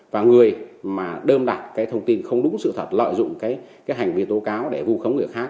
và người mà đơn đặt cái thông tin không đúng sự thật lợi dụng cái hành vi tố cáo để vu khống người khác